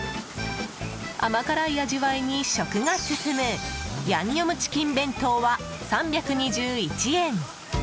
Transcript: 甘辛い味わいに食が進むヤンニョムチキン弁当は３２１円。